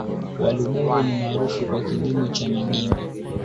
Waluguru ni maarufu kwa kilimo cha magimbi